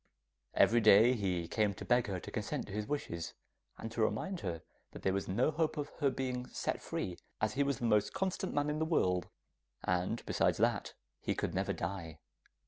Every day he came to beg her to consent to his wishes, and to remind her that there was no hope of her being set free, as he was the most constant man in the world, and besides that he could never die.